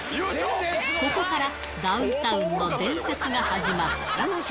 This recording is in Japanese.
ここから、ダウンタウンの伝説が始まった。